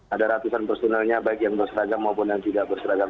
ada ratusan personelnya baik yang berseragam maupun yang tidak berseragam